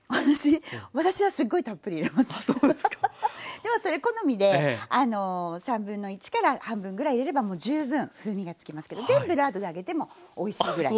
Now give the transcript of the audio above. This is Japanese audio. でもそれ好みで1/3から半分ぐらい入れればもう十分風味がつきますけど全部ラードで揚げてもおいしいぐらい。